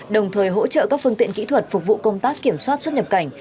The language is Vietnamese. đồng thời hỗ trợ các phương tiện kỹ thuật phục vụ công tác kiểm soát xuất nhập cảnh